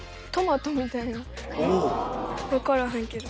分からへんけど。